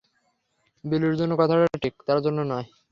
বিলুর জন্য কথাটা ঠিক, তার জন্যে নয়।